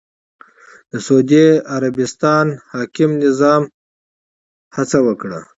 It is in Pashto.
د سعودي عربستان حاکم نظام هڅه وکړه